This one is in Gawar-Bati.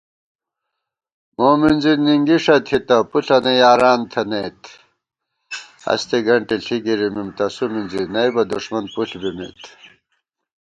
مومِنزی نِنگِݭہ تھِتہ پُݪَنہ یاران تھنَئیت * ہستےگنٹےݪِی گِرِمېم تسُو مِنزی نئبہ دُݭمن پُݪ بِمېت